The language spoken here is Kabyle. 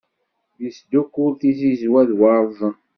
Isdukkul tizizwa d warẓen.